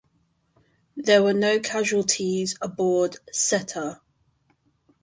There were no casualties aboard "Setter".